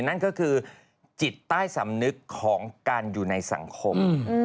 นั่นก็คือจิตใต้สำนึกของการอยู่ในสังคม